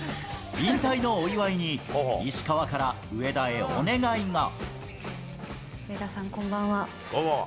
引退のお祝いに、石川から上上田さん、こんばんは。